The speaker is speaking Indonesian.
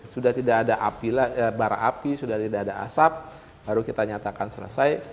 sudah tidak ada bara api sudah tidak ada asap baru kita nyatakan selesai